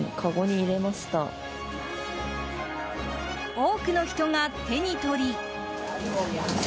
多くの人が手にとり。